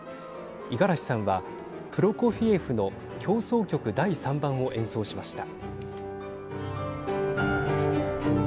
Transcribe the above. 五十嵐さんは、プロコフィエフの協奏曲第３番を演奏しました。